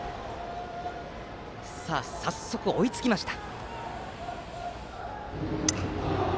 早速、追いつきました。